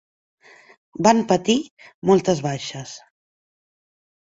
Van patir moltes baixes.